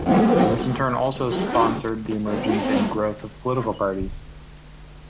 This in turn also sponsored the emergence and growth of political parties.